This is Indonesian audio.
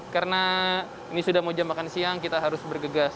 karena ini sudah mau jam makan siang kita harus bergegas